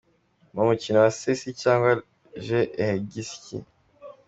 Mu mukino wa cesi cyangwa Je ehegikisi